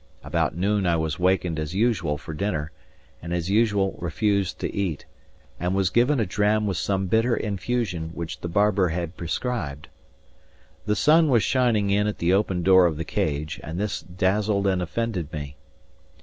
About noon I was wakened as usual for dinner, and as usual refused to eat, and was given a dram with some bitter infusion which the barber had prescribed. The sun was shining in at the open door of the Cage, and this dazzled and offended me.